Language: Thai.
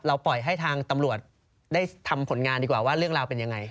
ปล่อยให้ทางตำรวจได้ทำผลงานดีกว่าว่าเรื่องราวเป็นยังไง